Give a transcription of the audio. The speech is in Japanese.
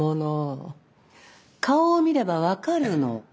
顔を見れば分かるの。